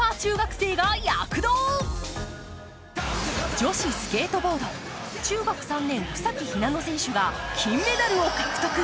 女子スケートボード、中学３年・草木ひなの選手が金メダルを獲得。